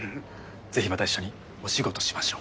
ぜひまた一緒にお仕事しましょう。